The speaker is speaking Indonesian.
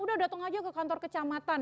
udah datang aja ke kantor kecamatan